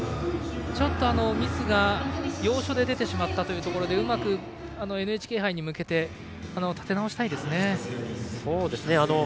ちょっとミスが要所で出てしまったというところでうまくＮＨＫ杯に向けて立て直したいですね。